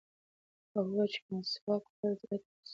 هغه وایي چې مسواک وهل زړه ته سکون ورکوي.